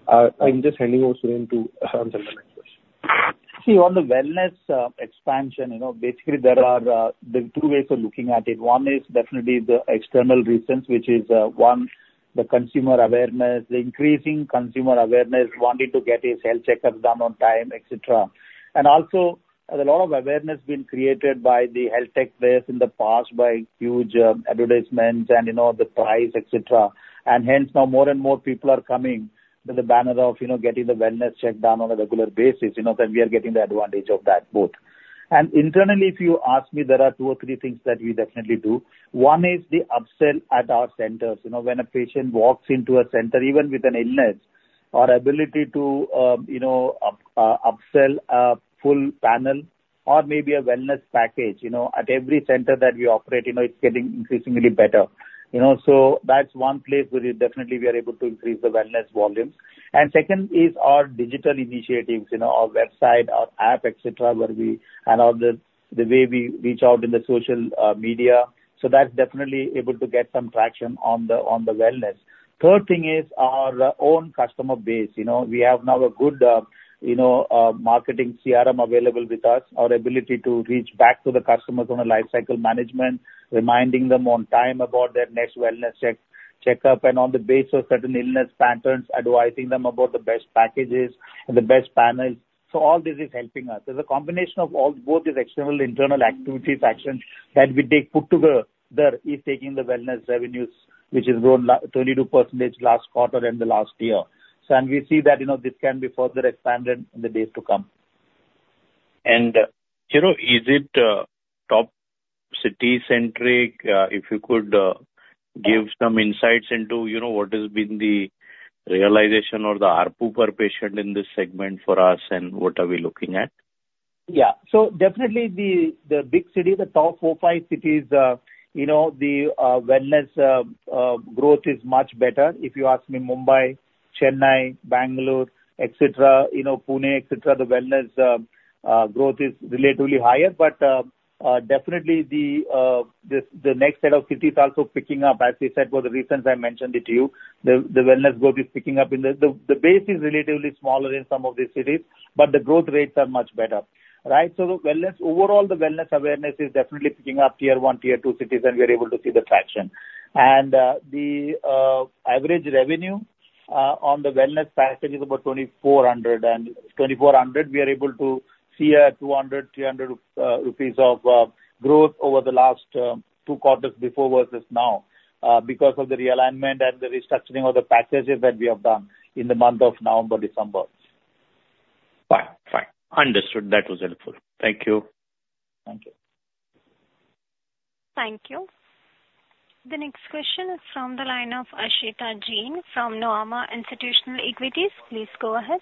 I'm just handing over Suren to answer the next question. See, on the wellness expansion, you know, basically there are the two ways of looking at it. One is definitely the external reasons, which is one, the consumer awareness, the increasing consumer awareness, wanting to get his health checkups done on time, et cetera. And also, a lot of awareness being created by the health tech players in the past, by huge advertisements and, you know, the price, et cetera. And hence, now more and more people are coming to the banner of, you know, getting the wellness check done on a regular basis, you know, then we are getting the advantage of that both. And internally, if you ask me, there are two or three things that we definitely do. One is the upsell at our centers. You know, when a patient walks into a center, even with an illness, our ability to, you know, upsell a full panel or maybe a wellness package, you know, at every center that we operate, you know, it's getting increasingly better. You know, so that's one place where we definitely are able to increase the wellness volumes. And second is our digital initiatives, you know, our website, our app, et cetera, where we... And the way we reach out in the social media. So that's definitely able to get some traction on the wellness. Third thing is our own customer base. You know, we have now a good, you know, marketing CRM available with us. Our ability to reach back to the customers on a lifecycle management, reminding them on time about their next wellness check, checkup, and on the base of certain illness patterns, advising them about the best packages and the best panels. So all this is helping us. There's a combination of all- both these external, internal activities, actions that we take put together, is taking the wellness revenues, which has grown 22% last quarter and the last year. And we see that, you know, this can be further expanded in the days to come. And, you know, is it top city-centric? If you could give some insights into, you know, what has been the realization or the ARPU per patient in this segment for us, and what are we looking at? Yeah. So definitely the big city, the top four, five cities, you know, the wellness growth is much better. If you ask me, Mumbai, Chennai, Bangalore, et cetera, you know, Pune, et cetera, the wellness growth is relatively higher. But definitely the next set of cities also picking up. As we said, for the reasons I mentioned it to you, the wellness growth is picking up in the - the base is relatively smaller in some of these cities, but the growth rates are much better, right? So the wellness - overall, the wellness awareness is definitely picking up, tier one, tier two cities, and we are able to see the traction. And the average revenue on the wellness package is about 2,400. 2,400, we are able to see 200-300 rupees of growth over the last two quarters before versus now, because of the realignment and the restructuring of the packages that we have done in the month of November, December. Fine. Fine. Understood. That was helpful. Thank you. Thank you. Thank you. The next question is from the line of Aashita Jain, from Nuvama Institutional Equities. Please go ahead.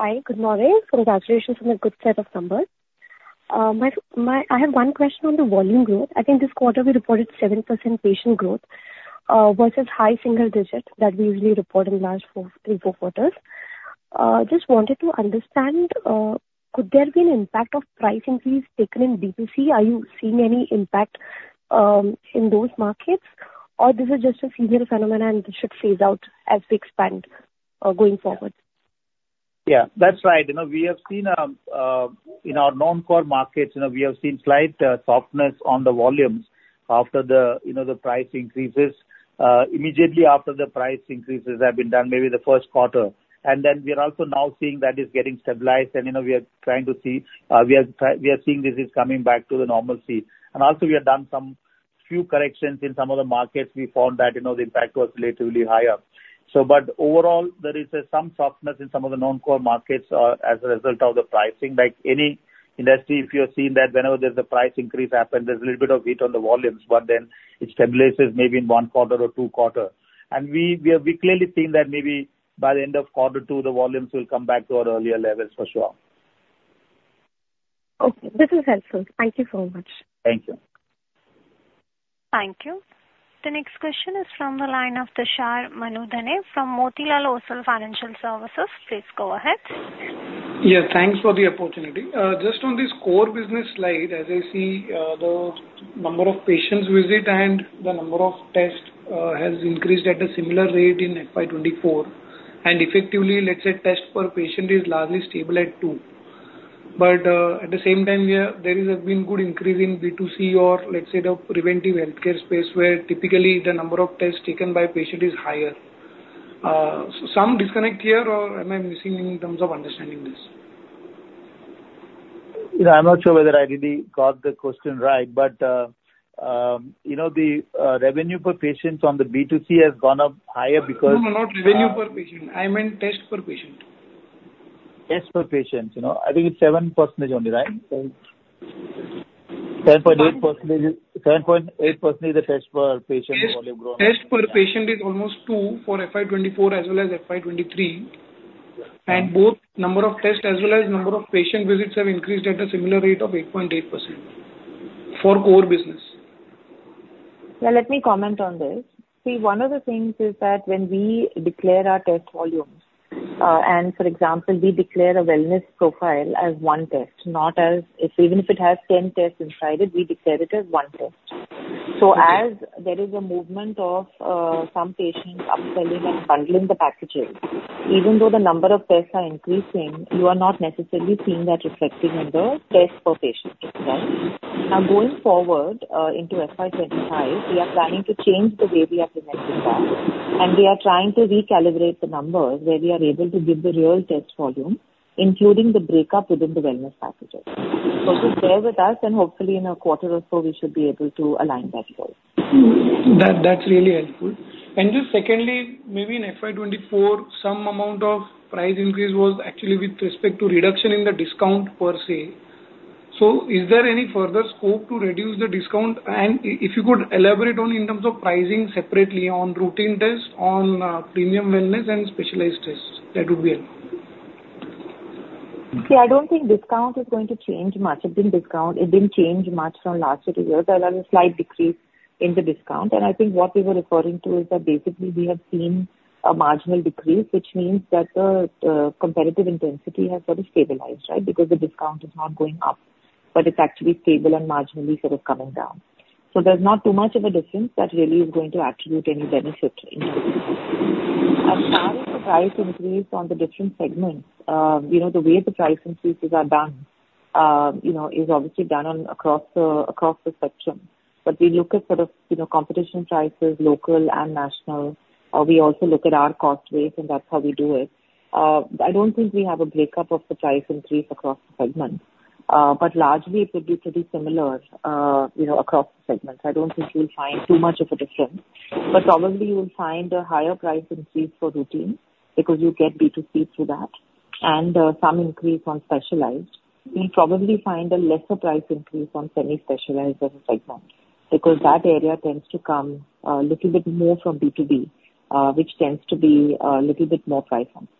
Hi, good morning. Congratulations on the good set of numbers. My f- my... I have one question on the volume growth. I think this quarter we reported 7% patient growth, versus high single digits that we usually report in last four, three, four quarters. Just wanted to understand, could there be an impact of pricing fees taken in B2C? Are you seeing any impact, in those markets? Or this is just a seasonal phenomenon, and this should phase out as we expand, going forward? Yeah, that's right. You know, we have seen in our non-core markets, you know, we have seen slight softness on the volumes after the, you know, the price increases. Immediately after the price increases have been done, maybe the first quarter. And then we are also now seeing that is getting stabilized, and, you know, we are trying to see, we are seeing this is coming back to the normalcy. And also, we have done some few corrections in some of the markets. We found that, you know, the impact was relatively higher. So but overall, there is some softness in some of the non-core markets as a result of the pricing. Like any industry, if you have seen that whenever there's a price increase happen, there's a little bit of hit on the volumes, but then it stabilizes maybe in one quarter or two quarter. And we, we have clearly seen that maybe by the end of quarter two, the volumes will come back to our earlier levels for sure. Okay, this is helpful. Thank you so much. Thank you. Thank you. The next question is from the line of Tushar Manudhane from Motilal Oswal Financial Services. Please go ahead. Yeah, thanks for the opportunity. Just on this core business slide, as I see, the number of patients visit and the number of tests has increased at a similar rate in FY 2024, and effectively, let's say, test per patient is largely stable at two. But at the same time, there has been good increase in B2C or let's say the preventive healthcare space, where typically the number of tests taken by patient is higher. Some disconnect here, or am I missing in terms of understanding this? You know, I'm not sure whether I really got the question right, but, you know, revenue per patients on the B2C has gone up higher because- No, no, not revenue per patient. I meant tests per patient. Tests per patient. You know, I think it's 7% only, right? Right. 7... 7.8%- 7.8% is the test per patient volume growth. Tests per patient is almost two for FY 2024 as well as FY 2023. Both number of tests as well as number of patient visits have increased at a similar rate of 8.8% for core business. Yeah, let me comment on this. See, one of the things is that when we declare our test volumes, and for example, we declare a wellness profile as one test, not as if even if it has 10 tests inside it, we declare it as one test. So as there is a movement of some patients upselling and bundling the packages, even though the number of tests are increasing, you are not necessarily seeing that reflecting in the test per patient right. Now, going forward into FY 2025, we are planning to change the way we are presenting that, and we are trying to recalibrate the numbers, where we are able to give the real test volume, including the breakup within the wellness packages. So just bear with us, and hopefully in a quarter or so, we should be able to align that for you. That, that's really helpful. And just secondly, maybe in FY 2024, some amount of price increase was actually with respect to reduction in the discount per se. So is there any further scope to reduce the discount? And if you could elaborate on in terms of pricing separately on routine tests, on premium wellness and specialized tests, that would be helpful. See, I don't think discount is going to change much. It didn't change much from last two years. There was a slight decrease in the discount. And I think what we were referring to is that basically we have seen a marginal decrease, which means that the competitive intensity has sort of stabilized, right? Because the discount is not going up, but it's actually stable and marginally sort of coming down. So there's not too much of a difference that really is going to attribute any benefit in it. As far as the price increase on the different segments, you know, the way the price increases are done, you know, is obviously done across the, across the spectrum. But we look at sort of, you know, competition prices, local and national. We also look at our cost base, and that's how we do it. I don't think we have a breakup of the price increase across the segments, but largely it would be pretty similar, you know, across the segments. I don't think you'll find too much of a difference. But probably you will find a higher price increase for routine, because you get B2C through that, and some increase on specialized. You'll probably find a lesser price increase on semi-specialized as a segment, because that area tends to come a little bit more from B2B, which tends to be a little bit more price-sensitive.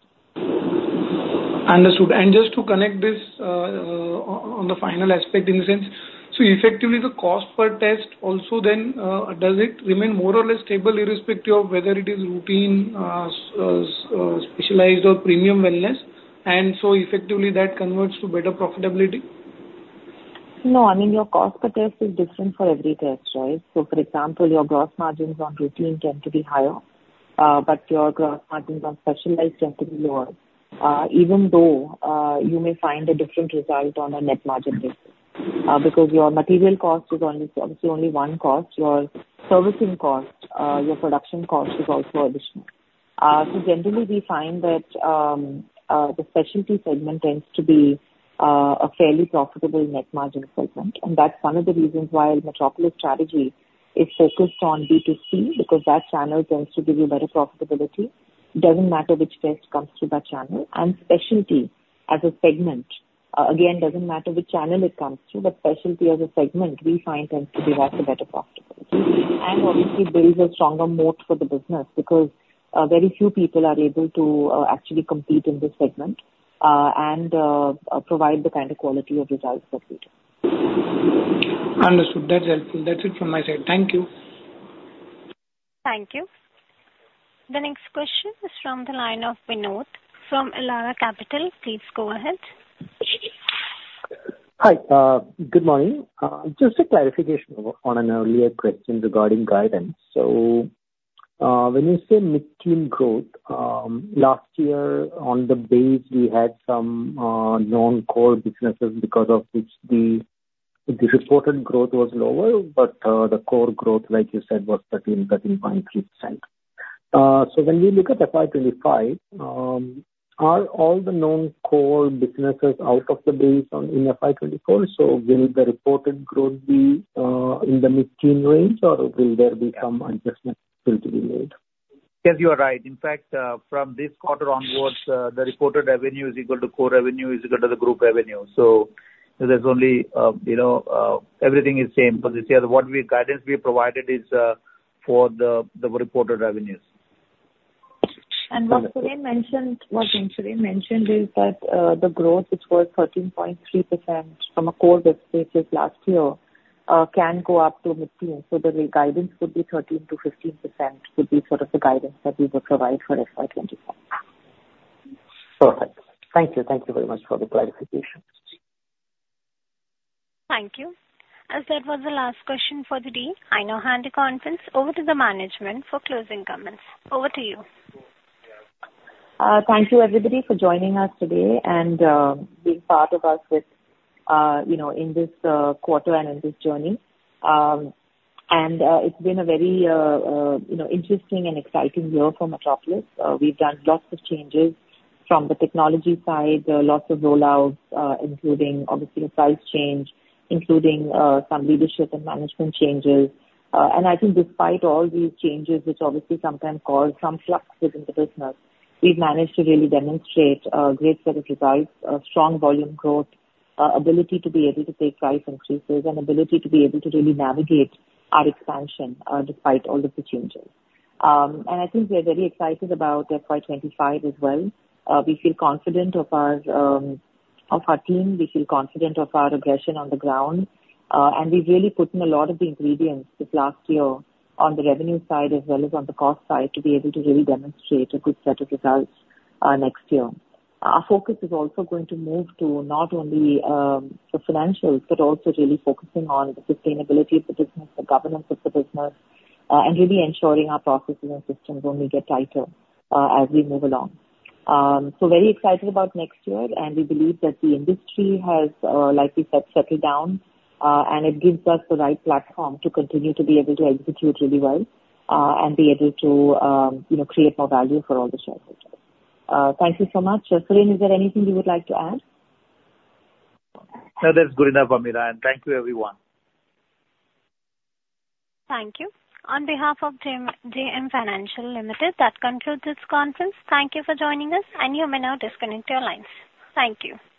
Understood. And just to connect this, on the final aspect in the sense, so effectively, the cost per test also then, does it remain more or less stable, irrespective of whether it is routine, specialized or premium wellness, and so effectively that converts to better profitability? No, I mean, your cost per test is different for every test, right? So, for example, your gross margins on routine tend to be higher, but your gross margins on specialized tend to be lower, even though, you may find a different result on a net margin basis. Because your material cost is only, obviously, only one cost. Your servicing cost, your production cost is also additional. So generally we find that, the specialty segment tends to be, a fairly profitable net margin segment, and that's one of the reasons why Metropolis' strategy is focused on B2C, because that channel tends to give you better profitability. Doesn't matter which test comes through that channel. Specialty as a segment, again, doesn't matter which channel it comes through, but specialty as a segment, we find tends to give us a better profitability. Obviously there is a stronger moat for the business because very few people are able to actually compete in this segment and provide the kind of quality of results that we do. Understood. That's helpful. That's it from my side. Thank you. Thank you. The next question is from the line of Bino from Elara Capital. Please go ahead. Hi, good morning. Just a clarification on an earlier question regarding guidance. So, when you say mid-teen growth, last year on the base, we had some non-core businesses because of which the reported growth was lower, but the core growth, like you said, was 13, 13.3%. So when we look at FY 2025, are all the non-core businesses out of the base on, in FY 2024? So will the reported growth be in the mid-teen range, or will there be some adjustment still to be made? Yes, you are right. In fact, from this quarter onwards, the reported revenue is equal to core revenue is equal to the group revenue. So there's only, you know, everything is same for this year. The guidance we have provided is, for the reported revenues. What Suren mentioned, what Suren mentioned is that the growth, which was 13.3% from a core basis last year, can go up to mid-teen, so the re-guidance could be 13%-15%, would be sort of the guidance that we would provide for FY 2025. Perfect. Thank you. Thank you very much for the clarification. Thank you. As that was the last question for the day, I now hand the conference over to the management for closing comments. Over to you. Thank you, everybody, for joining us today and being part of us with, you know, in this quarter and in this journey. It's been a very, you know, interesting and exciting year for Metropolis. We've done lots of changes, from the technology side, lots of rollouts, including obviously a price change, including some leadership and management changes. I think despite all these changes, which obviously sometimes cause some flux within the business, we've managed to really demonstrate a great set of results, a strong volume growth, ability to be able to take price increases, and ability to be able to really navigate our expansion, despite all of the changes. I think we are very excited about FY 2025 as well. We feel confident of our team, we feel confident of our aggression on the ground, and we've really put in a lot of the ingredients this last year on the revenue side as well as on the cost side, to be able to really demonstrate a good set of results next year. Our focus is also going to move to not only the financials, but also really focusing on the sustainability of the business, the governance of the business, and really ensuring our processes and systems only get tighter as we move along. So very excited about next year, and we believe that the industry has, like we said, settled down, and it gives us the right platform to continue to be able to execute really well, and be able to, you know, create more value for all the shareholders. Thank you so much. Suren, is there anything you would like to add? No, that's good enough, Ameera, and thank you, everyone. Thank you. On behalf of JM Financial Limited, that concludes this conference. Thank you for joining us, and you may now disconnect your lines. Thank you.